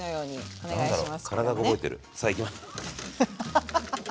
お願いします。